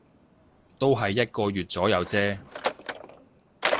都係一個月左右啫